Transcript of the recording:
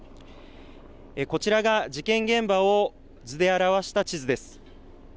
こちらが事件現場を図で表した地図です。